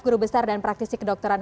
guru besar dan praktisi kedokteran